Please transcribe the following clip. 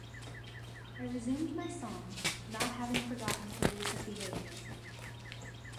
I resumed my song; not having forgotten her recent behaviour.